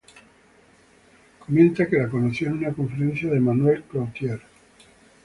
Comenta que la conoció en una conferencia de Manuel Clouthier.